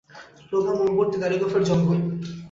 রোগা, মুখভর্তি দাড়ি-গোঁফের জঙ্গল।